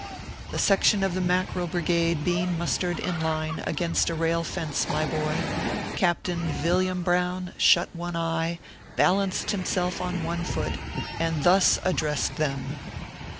The section of the Mackerel Brigade being mus tered in line against a rail fence, my boy, Captain Yilliam Brown shut one eye, balanced himself on one foot, and thus addressed them